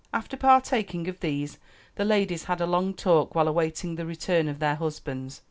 After partaking of these, the ladies had a long talk while awaiting the return of their husbands.